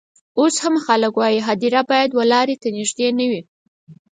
اوس هم خلک وايي هدیره باید و لاري ته نژدې نه وي.